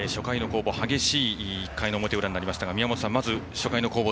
激しい１回の表裏になりましたが宮本さん、まず初回の攻防